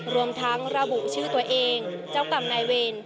รวมทั้งระบุชื่อตัวเองเจ้ากรรมนายเวร